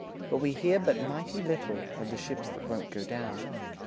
But we hear but mighty little Of the ships that won't go down.